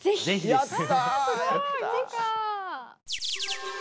やった！